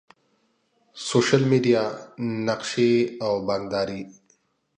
سوشل میډیا، نقشي او بانکداری